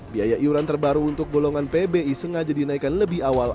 biaya iuran terbaru untuk golongan pbi sengaja dinaikkan lebih awal